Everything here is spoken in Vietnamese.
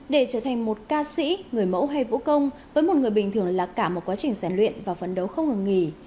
để trở thành một ca sĩ người mẫu hay vũ công với một người bình thường là cả một quá trình giàn luyện và phấn đấu không ngừng nghỉ